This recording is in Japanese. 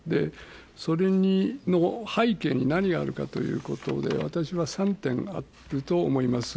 それの背景に何があるかということで、私は３点あると思います。